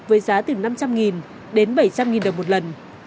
với giá từ năm trăm linh đến bảy trăm linh đồng một lần